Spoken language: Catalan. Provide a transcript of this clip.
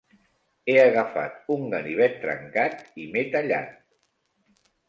He agafat un ganivet trencat i m'he tallat.